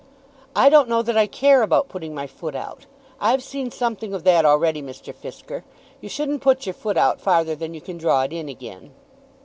"I don't know that I care about putting my foot out. I've seen something of that already, Mr. Fisker. You shouldn't put your foot out farther than you can draw it in again."